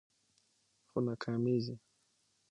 خو ناکامیږي